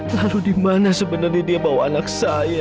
lalu dimana sebenarnya dia bawa anak saya